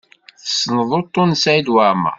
Tessneḍ uṭṭun n Saɛid Waɛmaṛ?